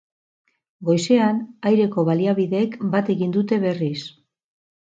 Goizean, aireko baliabideek bat egin dute berriz.